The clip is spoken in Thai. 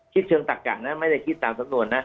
เชิงตักกะนะไม่ได้คิดตามสำนวนนะ